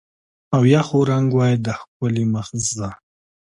او یا خو رنګ وای د ښکلي مخ زه